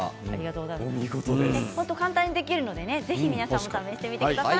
簡単にできますので皆さんぜひ試してみてください。